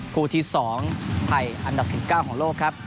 คู่ที่๒ไทยอันดับ๑๙ของโลกครับ